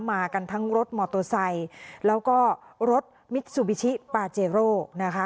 มากันทั้งรถมอเตอร์ไซค์แล้วก็รถมิซูบิชิปาเจโร่นะคะ